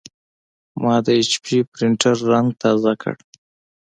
ما د ایچ پي پرنټر رنګ تازه کړ.